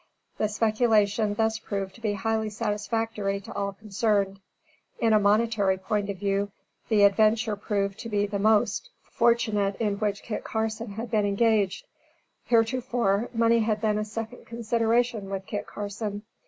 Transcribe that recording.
The speculation thus proved to be highly satisfactory to all concerned. In a monetary point of view, the adventure proved to be the most fortunate in which Kit Carson had been engaged. Heretofore, money had been a second consideration with Kit Carson.